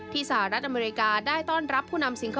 ที่สหรัฐอเมริกาได้ต้อนรับผู้นำสิงคโปร์